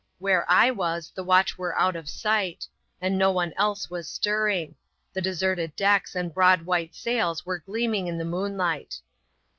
Where I was, the watch were out of sight; and no one else was stirring ; the deserted decks and broad white sails were gleam ing in the moonlight.